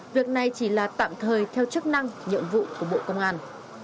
việc này chỉ là tạm thời theo chức năng nhiệm vụ của bộ công an